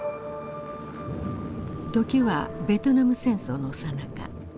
時はベトナム戦争のさなか。